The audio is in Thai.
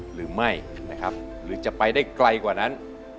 หรือไม่นะครับหรือจะไปได้ไกลกว่านั้น